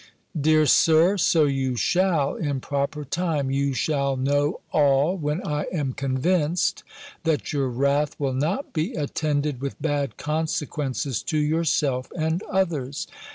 "Dear Sir, so you shall, in proper time: you shall know all, when I am convinced, that your wrath will not be attended with bad consequences to yourself and others.